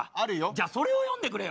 じゃあそれを詠んでくれよ。